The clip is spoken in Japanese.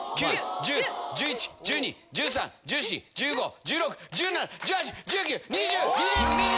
１０、１１、１２、１３、１４、１５、１６、１７、１８、１９、２０、２１。